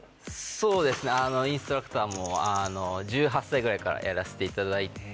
そうですねインストラクターも１８歳ぐらいからやらせていただいて。